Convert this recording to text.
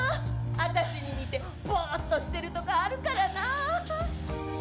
私に似てボっとしてるとこあるからな。